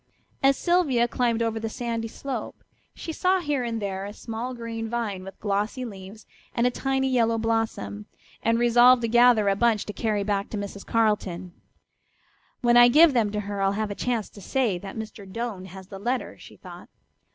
As Sylvia climbed over the sandy slope she saw here and there a small green vine with glossy leaves and a tiny yellow blossom, and resolved to gather a bunch to carry back to Mrs. Carleton. "When I give them to her I'll have a chance to say that Mr. Doane has the letter," she thought.